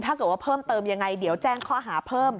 ถ้าเกิดว่าเพิ่มเติมยังไงเดี๋ยวแจ้งข้อหาเพิ่ม